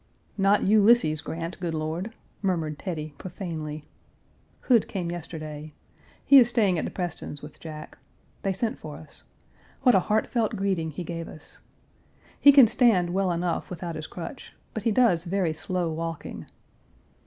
"Not Ulysses Grant, good Lord," murmured Teddy, profanely. Hood came yesterday. He is staying at the Prestons' with Jack. They sent for us. What a heartfelt greeting he gave us. He can stand well enough without his crutch, but he does very slow walking.